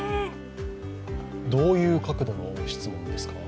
どういう角度の質問ですか。